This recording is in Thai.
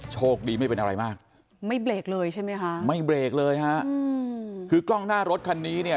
โชคดีไม่เป็นอะไรมากไม่เบรกเลยใช่ไหมคะไม่เบรกเลยฮะอืมคือกล้องหน้ารถคันนี้เนี่ย